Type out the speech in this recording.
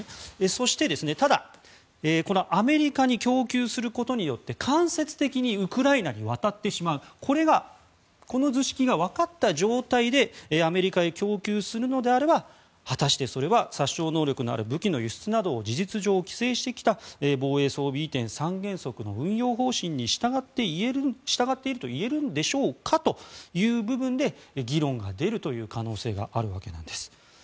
そして、ただ、このアメリカに供給することによって間接的にウクライナに渡ってしまうこれが、この図式がわかった状態でアメリカへ供給するのであれば果たしてそれは殺傷能力のある武器の輸出などを事実上規制してきた防衛装備移転三原則の運用方針に従っているといえるんでしょうかという部分で議論が出るという可能性があるわけなんです。